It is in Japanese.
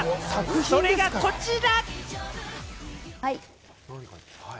それがこちら。